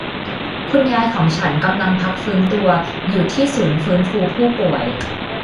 คุณยายของฉันกำลังพักฟื้นตัวอยู่ที่ศูนย์ฟื้นฟูผู้ป่วย